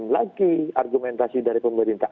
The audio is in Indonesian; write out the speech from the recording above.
lagi argumentasi dari pemerintah